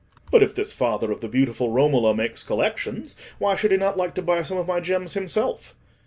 "But if this father of the beautiful Romola makes collections, why should he not like to buy some of my gems himself?"